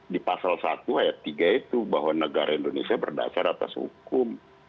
di pasal satu ayat tiga itu bahwa negara indonesia berdasar atas hukum